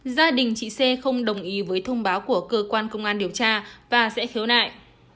gia đình chị c không đồng ý với thông báo của cơ quan công an điều tra và sẽ khiếu nại